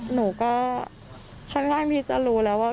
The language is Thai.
หนูก็ค่อนข้างที่จะรู้แล้วว่า